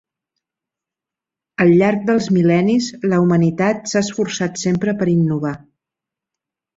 Al llarg dels mil·lennis la humanitat s'ha esforçat sempre per innovar.